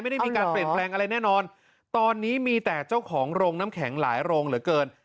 ไม่ได้มีการเปลี่ยนแปลงอะไรแน่นอนตอนนี้มีแต่เจ้าของโรงน้ำแข็งหลายโรงเหลือเกิน